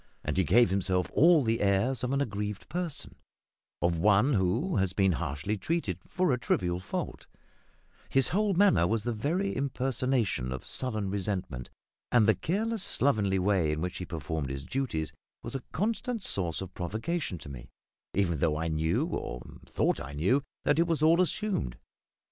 And he gave himself all the airs of an aggrieved person of one who has been harshly treated for a trivial fault; his whole manner was the very impersonation of sullen resentment, and the careless, slovenly way in which he performed his duties was a constant source of provocation to me, even though I knew or thought I knew that it was all assumed.